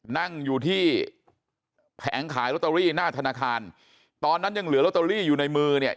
นั่งอยู่ที่แผงขายลอตเตอรี่หน้าธนาคารตอนนั้นยังเหลือลอตเตอรี่อยู่ในมือเนี่ย